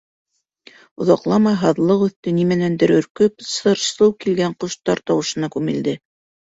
Оҙаҡламай һаҙлыҡ өҫтө нимәнәндер өркөп сыр-сыу килгән ҡоштар тауышына күмелде.